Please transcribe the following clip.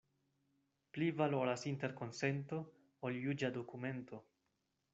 Pli valoras interkonsento, ol juĝa dokumento.